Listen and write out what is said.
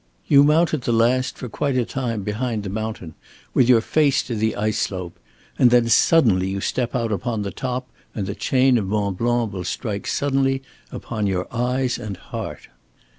You mount at the last, for quite a time behind the mountain with your face to the ice slope; and then suddenly you step out upon the top and the chain of Mont Blanc will strike suddenly upon your eyes and heart.